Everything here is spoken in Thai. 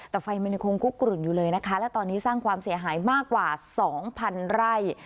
แต่ไฟมันยังคงคุกกลุ่นอยู่เลยนะคะและตอนนี้สร้างความเสียหายมากกว่า๒๐๐ไร่